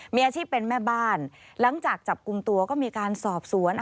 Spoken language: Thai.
มีอาชีพเป็นแม่บ้านหลังจากจับกลุ่มตัวก็มีการสอบสวน